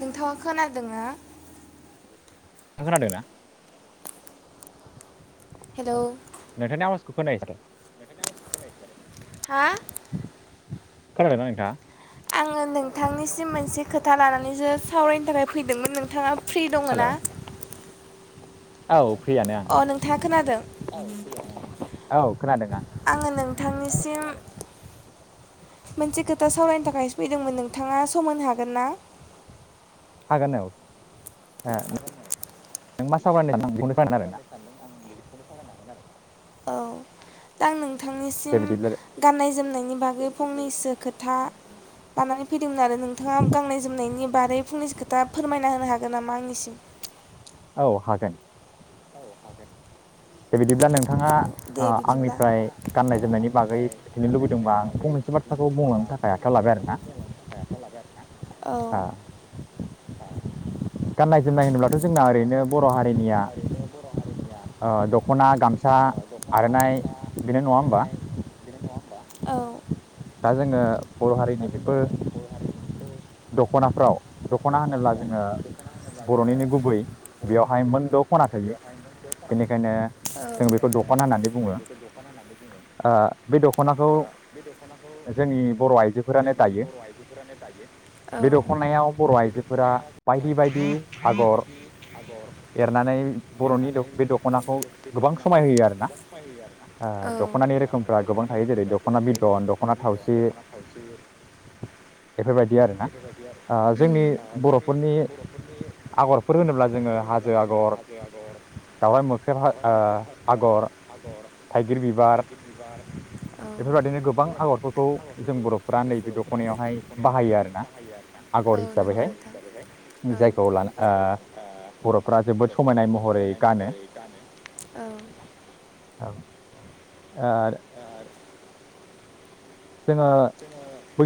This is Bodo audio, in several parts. नोंथाङा खोनादोंना। खोनादोंना? हेलौ नोंथांनि आवाजखौ खोनास माथो [inaudible] हा? खोनादों ना नोंथाङा? आङो नोंथांनिसिम मोनसे खोथा लानानै सो सावरायनो थाखाय फैदोंमोन नोंथाङा फ्रि दङ हेलौ ना? औ फ्रियानो अ आं नोंथां खोनादों? औ खोनादों आं आङो नोंथांनिसिम मोनसे खोथा सावरायनो थाखाय फैदोंमोन नोंथाङा सम होनो हागोन ना? हागोन औ नों मा [unintelligible] औ दा आं नों दे थांनिसिम बिदिब्ला गाननाय जोमनायनि बागै फंनैसो खोथा लानानै फैदोंमोन आरो नोंथाङा गाननाय जोमनायनि बागै फंनैसो खोथा फोरमायना होनो हागोन नामा आंनिसिम? औ हागोन। दे बिदिब्ला नोंथाङा दे ओ बिदिब्ला आंनिफ्राय गाननाय जोमनायनि बागै मिथिनो लुबैदोंबा आं फंनैसो बाथ्राखौ बुंलांनो थाखाय आखायाव लाबाय आरोना। आरोना औ [inaudible] गाननाय जोमनाय होनोब्लाथ' जोंना ओरैनो बर' हारि निया ओ दख'ना गामसा आर'नाइ बेनो नङा होमबा? औ दा जोङो बर' हारिनि बेफोर दख'नाफ्राव दख'ना होनोब्ला जोङो बर'निनो गुबै बेयावहाय मोनद' खना थायो बेनिखायनो जों बेखौ दख'ना होननानै बुङो। ओ बे दख'नाखौ बे दख'नाखौ जोंनि बर' आइजोफोरानो जोंनि दायो बर' आइजोफोरानो दायो, औ बे बे दख'नायाव दि आगर एरनानै बर'नि एरनानै बे दख'नाखौ बर'नि दख बे गोबां दख'नाखौ समायहोयो आरोना गोबां समायहोयो आरो ना औ ओ दख'नानि ओ रोखोमफ्रा गोबां दख'नानि थायो रोखोम जेरै दख'ना गोबां थायो जेरै बिदन दख'ना बिदन थावसि दख'ना थावसि बेफोरबायदि आरोना उम ओ जोंनि बर'फोरनि बर'फोरनि आगरफोर होनोब्ला जोङो आगरफोर होनोब्ला हाजो जोङो आगर हाजो आगर दावराइ मोख्रेब ओ दावाइ मोख्रे ओ आगर आगर थाइगिर बिबार थाइजिर बिबार बेफोरबायदिनो औ गोबां आगरफोरखौ जों बर'फ्रा नैबे दख'नायावहाय बाहायो आरोना। औ आगर नंगौ हिसाबैहाय नोंथां औ जायखौ लाना जायगायाव ला ओ बर'फ्रा जोबोद ओ बर'फोरा समायनाय जोबोद महरै समायनाय गानो महरै गानो औ ओ जोङो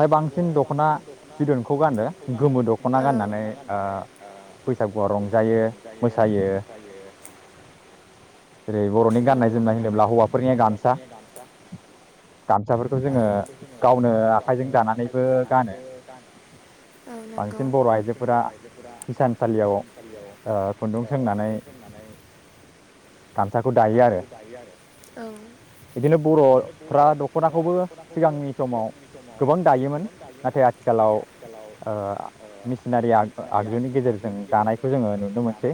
बैसागुआवहाय बांसिन दख'ना बिदनखौ गानो गोमो दख'ना औ गाननानै दख'ना ओ गाननानै ओ बैसागुआव बैसागुआ रंजायो रंजायो मोसायो मोसायो जेरै बर'नि जेरै गाननाय बर'नि जोमनाय गाननाय होनोब्ला जोमनाय हौवाफोरनिया होनोब्ला हौवाफोरनिया गामसा साफोरखौ जोङो गावनो आखाइ जोङो आखाइजों दानानैबो गानो औ नांगौ बांसिन बर' बांसिन आइजोफोरा बर' आइजोफोरा बे हिसानसालियाव हिसानसालियाव खुन्दुं ओ सोंनानै खुन्दुं सोंनानै गामसाखौ दायो आरो गामसाखौ दायो आरो औ बिदिनो बिदिनो बर'फ्रा बर' दखनाखौबो सिगांनि समाव गोबां दायोमोन नाथाय आथिखालाव ओ मेसिनारि आग आगजुनि गेजेरजों दानायखौ जोङो नुनो मोनसै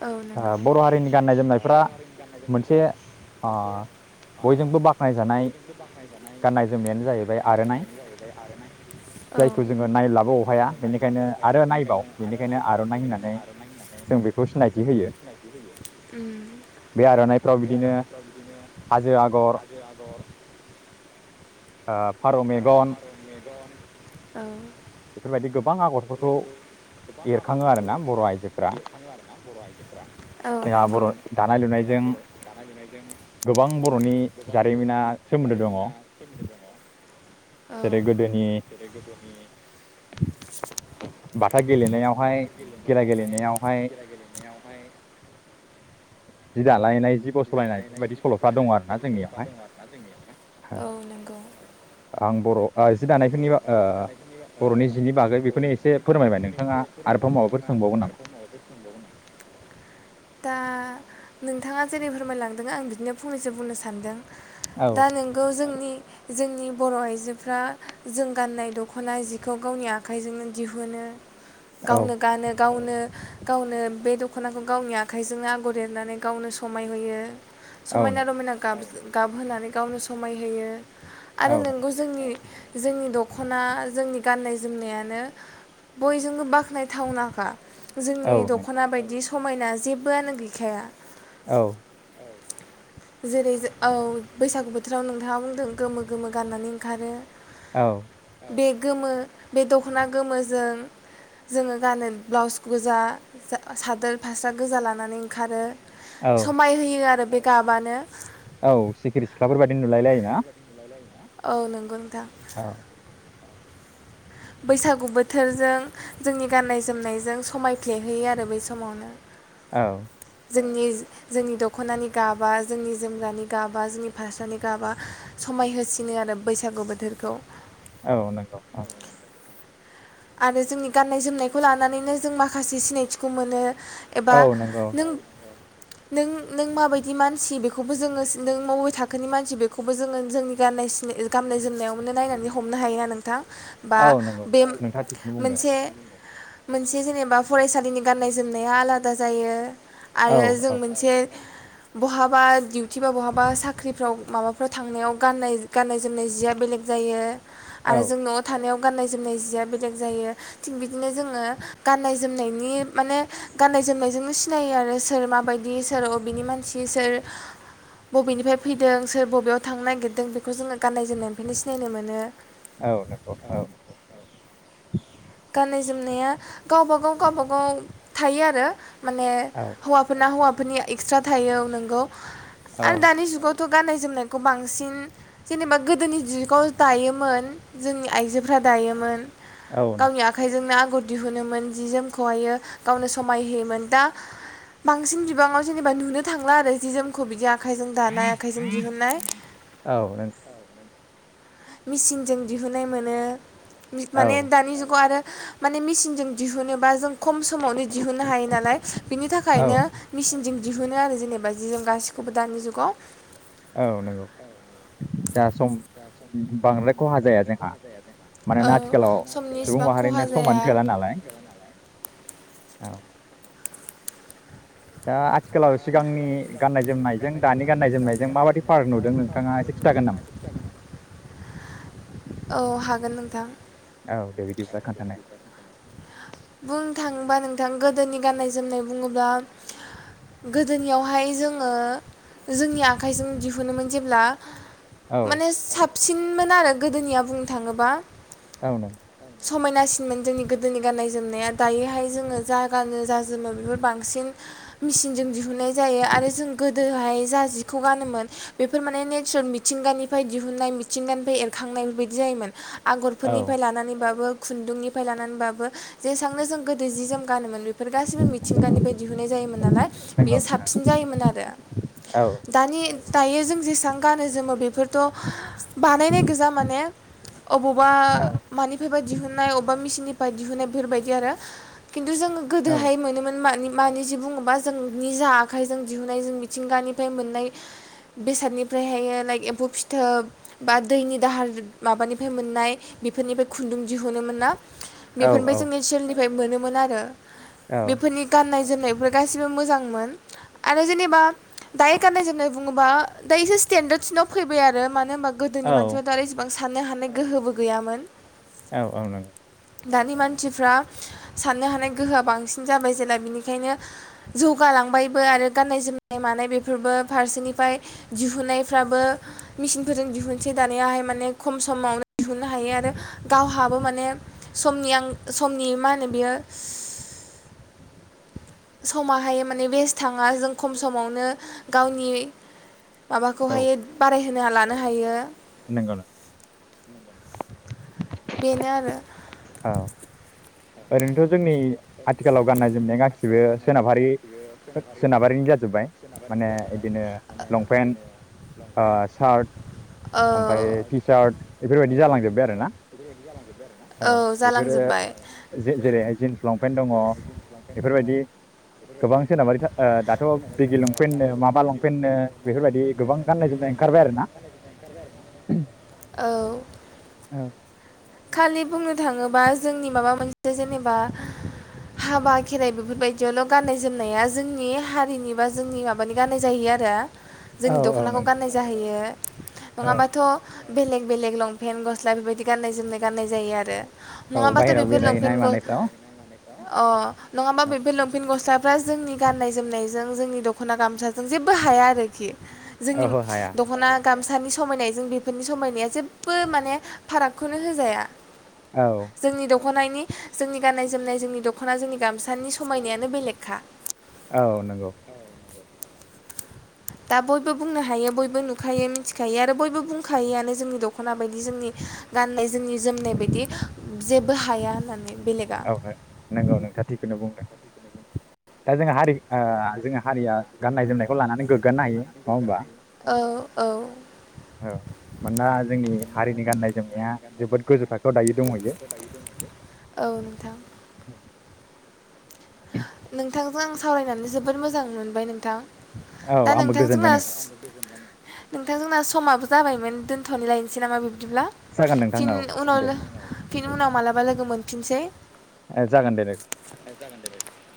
औ ओ नंगौ बर' हारिनि गाननाय जोमनायफ्रा मोनसे नाय, गाननाय जोमनाया जायखौ जोङो नायब्लाबो अहाया बेनिखायनो आरो नायबाव बेनिखायनो आर'नाइ होननानै औ जों बेखौ सिनायथि होयो बे आर'नाइफ्राव बिदिनो हाजो आगर ओम फारौ मेगन औ। बेफोरबायदि गोबां आगरफोरखौ एरखाङो आरोना बर' आइजोफोरा औ जोंहा बर' नंगौ दानाय लुनायजों गोबां बर'नि जारिमिना सोमोन्दो दङ औ जेरै गोदोनि बाथा गेलेनायावहाय खेला गेलेनायावहाय जि दालायनाय जि गसलायनाय बेफोरबायदि सल'फ्रा दङ आरोना जोंनियावहाय औ नंगौ आं बर' ओ जि आं दानायफोरनि बा बर'फ्रा ओ जि दानायफोरनि बर'नि जिनि बागै बेखौनो बर'नि एसे जिनि बागै फोरमायबाय बेखौनो नोंथाङा एसे फोरमायबाय आरोबाव माबाफोर नोंथाङा सोंबावगोन नामा आरो माबाफोर सोंबावगोन नामा? दा नोंथाङा जेरै फोरमायलांदों आं बिदिनो फंनैसो बुंनो सानदों। औ दा नोंगौ जोंनि जोंनि बर' आइजोफ्रा जों गाननाय दख'ना जिखौ गावनि आखाइजोंनो दिहुनो। औ गावनो गानो गावनो गावनो बे दख'नाखौ गावनि आखाइजोंनो आगर एरनानै गावनो समायहोयो। औ समायना नंगौ रमायना गाबजों गाबहोनानै गावनो समायहोयो। औ आरो नोंगौ जोंनि जोंनि दख'ना जोंनि गाननाय जोमनायानो बयजोंबो बाख्नायथावनाखा। औ जोंनि नंगौ दख'ना बायदि स मायना जेबोआनो गैखाया। औ। जेरै औ बैसागु बोथोराव नोंथाङा बुंदों गोमो गोमो गाननानै ओंखारो। औ। बे गोमो बे दख'ना गोमोजों जोङो गानो ब्लाउस गोजा सादोर फास्रा गोजा लानानै ओंखारो। औ समाय होयो आरो बे गाबानो औ सिखिरि सिख्लाफोर बायदि नुलायलायोना? औ नंगौ नोंथां। औ। बैसागु बोथोरजों जोंनि गाननाय जोमनायजों समायफ्लेहैयो आरो बै समावनो। औ। जोंनि जोंनि दख'नानि गाबा जोंनि जोमग्रानि गाबा जोंनि फारसानि गाबा समाय होसिनो आरो बैसागु बोथोरखौ। औ नंगौ औ। आरो जोंनि गाननाय जोमनायखौ लानानैनो जों माखासे सिनायथिखौ मोनो। एबा औ नंगौ नों नों नों माबायदि मानसि बेखौबो जोङो नों म थाखोनि मानसि बेखौबो जोङो जोंनि गाननाय सिन गाननाय जोमनायाव नायनानै हमनो हायो नोंथां। बा औ नंगौ बे नोंथाङा थिगखौनो बुंदों मोनसे मोनसे जेनेबा फरायसालिनि गाननाय जोमनाया आलादा जायो। औ आयो जों औ मोनसे बहाबा दिउटि बा बहाबा साख्रिफ्राव माबाफोर थांनायाव गाननाय - गाननाय जोमनाय जिया बेलेग जायो। औ आरो जों न'आव थानायाव गाननाय जोमनाय जिया बे जायो थिग बिदिनो जोङो गाननाय जोमनायनि माने गाननाय जोमनायजोंनो सिनायो आरो सोर माबायदि सोर बबेनि मानसि सोर बबेनिफ्राय फैदों सोर बबेयाव थांनो नागिरदों बेखौ जोङो गाननाय जोमनायनिफ्रायनो सिनायनो मोनो। औ नंगौ औ। [unintelligible] गाननाय जोमनाया गावबा गाव बागाव गाव बागाव थायो आरो। माने औ हौवाफोरना हौवा फोरनिया एक्सट्रा थायो नोंगौ। आं दानि जुगाव थ' गाननाय जोमनायखौ बांसिन जेनेबा गोदोनि जुगाव दायोमोन जोंनि आइजोफ्रा दायोमोन। औ गावनि आखाइजोंनो दिहुनोमोन जि जोमखौहायो गावनो समाय होयोमोन दा बांसिन बिबाङाव जेनेबा नुनो थांला आरो जि जोमखौ बिदि आख आखाइजों दानाय आखाइजों नो दिहुन्नाय औ नों मिसिनजों दिहुननाय मोनो। मित माने औ दानि जुगाव आरो माने मिचिनजों दिहुनो बा जों खम समावनो दिहुननो हायो नालाय बिनि औ थाखायनो मिेसिनजों दिहुनो आरो जेनेबा जि जों गासिखौबो दानि जुगाव औ नंगौ। दा सम बांद्राय खहा जाया जोंहा। मानोना आथिखालाव औ सुबुं समनिइसिबां खहा माहारिनो जाया। समानो थोला नालाय औ। दा आथिखालाव स सिगांनि गाननाय जोमनायजों दानि गाननाय जोमनायजों माबायदि पाराक नुदों नोंथाङा एसे खिन्थागोन नामा? औ हागोन नोंथां। औ दे बिदिब्ला खोन्थानाय बुंनो थांङोबा नोंथां गोदोनि गाननाय जोमनाय बुङोब्ला गोदोनियावहाय जोङो जोंनि आखाइजों दिहुनोमोन जेब्ला औ माने साब साबसिनमोन आरो गोदोनिया बुंनो थाङोब्ला। आंनाव [unintelligible] समायनासिनमोन जोंनि गोदोनि गाननाय जोमनाया दायोहाय जोङो जा गानो जा जोमो बेफोर बांसिन मेसिनजों दिहुननाय जायो आरो जों गोदोहाय जा जिखौ गानोमोन बेफोर माने नेचारेल मिथिंगानिफ्राय दिहुननाय मिथिंगानिफ्राय एरखांनाय बेबायदि जायोमोन। औ आगरफोरनिफ्राय लानानैबाबो खुन्दुंनिफ्राय लानानैबाबो जेसेबांनो जों गोदो जि जोम गानोमोन बे फोर गाैबो मिथिंगानिफ्राय दिहुननाय जायोमोन नालाय नंगौ बेयो नोंथां साबसिन जायोमोन आरो औ दानि दायो जों जेसेबां गानो जोमो बेफोरथ' बानायनाय गोजा माने अबावबा मानिफ्रायबा दिहुननाय अबावबा मिसिननि फाय दिहुननाय। बेफोरबायदि आरो खिन्थु जोङो औ गोदोहाय मोनोमोन मानि मानि जि बुङोबा जों निज आखाइजों दिहुननाय जों मिथिंगानिफ्राय मोननाय बेसादनिफ्रायहाय लाइक एम्फौ फिथोब बा दैनि दाहार माबानिफ्राय मोननाय बेफोरनिफ्राय खुन्दुं दिहुनो मोना। औ मोनबाय जों ओनसोलनि फ्राय मोनोमोन आरो औ बेफोरनि गाननाय जोमनायफोर गासिबो मोजांमोन आरो जेनेबा दायो गाननाय जोमनाय बुं ङो बा दा एसे सिटेनदार सिनाव फैबाय आरो मा ने होमा गोदोनि मानसिफोरा दा औ आरो एसेबां [unintelligible] थानो हानाय गोहोबो गैयामोन औ औ नांगौ दानि मानसिफ्रा साननो हानाय गोहोआ बांसिन जाबाय जेला बिनिखायनो जौगालांबायबो आरो गाननाय जोमनाय मानाय बेफोरबो फारसेनिफ्राय दिहुननायफ्राबो मेसिनफोरजों दिहुनसै दानिहाय माने खम समावनो दिहुननो हायो आरो गावहाबो माने समनि आं समनि मा होनो बियो समाहाय माने बेस्ट थाङा जों खम समावनो गावनि माबाखौहाय बाराय होना लानो हायो। नोंगौ नोंथां। [inaudible] बेनो आरो औ आरैनोथ' जोंनि आथिखालाव गाननाय जोमनाया गासिबो सोनाबारि सोनाबारिनि जाजोब्बाय माने बिदिनो लंपेन्ट ओ सार्ट ओमफ्राय टि सार्ट बेफोरबायदि जालांजोब्बाय आरो ना औ औ बेफोरो जालांजोब्बाय जेरैहाय जिन्स लंपेन्ट दङ बेफोर बायदि गोबां सोनाबारि दा ओ दाथ' भिगि लं लंपेन्टनो माबा लंपेन्टनो बेफोर बायदि गोबां गाननाय जोमनाय ओंखारबाय आरो ना औ औ खालि बुंनो थाङोबा जोंनि माबा मोनसे जेनेबा हाबा खेराइ बेफोरबायदियावल' गाननाय जोमनाया जोंनि हारिनि बा जोंनि माबानि गाननाय जायो आरो। औ जोंनि औ दख'नाखौ नंगौ गाननाय जाहैयो। औ नङाबाथ' बेलेग बेलेग लंपेन्ट गस्ला बेबायदि गाननाय जोमनाय गाननाय जायो आरो। औ नङाबाथ' बाहेरायाव बेफोर बेरायहैनाय लंपेन्ट ग मानायफ्राव अ नङाबा बेफोर लंफिन गस्ला फ्रा जोंनि गाननाय जोमनायजों जोंनि दख'ना गामफ्राजों जेबो हाया आरोखि जोंनि ओहो हाया दख'ना गामसानि समायनायजों बेफोरनि समायनाया जेबो माने फारागखौनो हो जाया औ दख'नायनि जोंनि गाननाय जोमनाय जोंनि दख'ना जोंनि गामसानि समायनायानो बेलेगखा। औ नंगौ। दा बयबो बुंनो हायो बयबो नुखायो मिथिखायो आरो बयबो बुंखायोआनो जोंनि दख'ना बायदि जोंनि गाननाय जोंनि जोमनाय बायदि जेबो हाया होननानै। बेलेगा औ ओ नोंगौ नोंथा थिखौनो बुंदों। दा जोंहा हारि ओ जोंहा हारिया गाननाय जोमनायखौ लानानै गोग्गानो हायो नङा होमबा। औ मानोना औ जोंनि हारिनि गाननाय जोमनाया [inaudible] जोबोद गोजौ थाखोआव दायो औ दंहैयो औ नोंथां। नोंथांजों आं सावरायनानै जोबोर मोजां मोनबाय नोंथां। औ दा आंबो नोंथां गोजोनबाय जोंना नोंथां। नोंथां जोंना समाबो जाबायमोन दोन्थ'नानै लायनोसै नामा बे। बिदिब्ला जागोन नोंथां फिन औ दे उनावनो फिन उनाव मालाबा लोगो मोनफिनसै। ओ जागोन दे दे।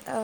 औ